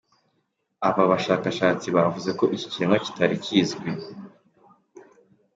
Aba bashakashatsi bavuze ko iki kiremwa kitari kizwi.